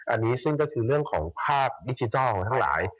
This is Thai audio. อันนี้ซึ่งก็คือเรื่องของภาพดิจิทัลทั้งหลาย